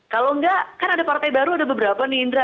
kalau enggak kan ada partai baru ada beberapa nih indra